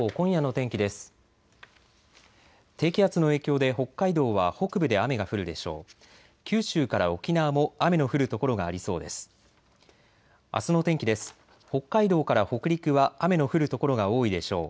低気圧の影響で北海道は北部で雨が降るでしょう。